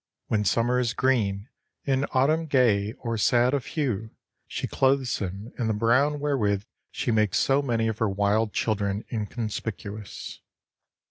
When summer is green and autumn gay or sad of hue she clothes him in the brown wherewith she makes so many of her wild children inconspicuous.